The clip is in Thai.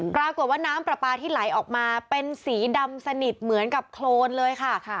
ปรากฏว่าน้ำปลาปลาที่ไหลออกมาเป็นสีดำสนิทเหมือนกับโครนเลยค่ะ